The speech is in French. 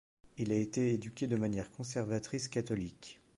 Il a été éduqué de manière conservatrice-catholique.